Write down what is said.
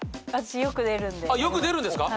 よく出るんですか？